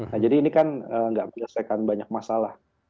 nah jadi ini kan nggak menyelesaikan banyak masalah